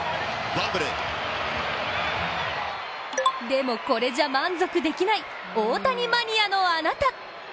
でも、これじゃ満足できない大谷マニアのあなた！